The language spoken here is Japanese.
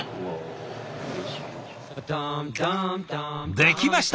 できました！